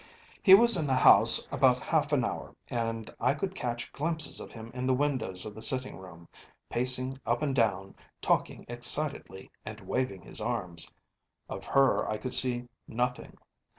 “He was in the house about half an hour, and I could catch glimpses of him in the windows of the sitting room, pacing up and down, talking excitedly, and waving his arms. Of her I could see nothing.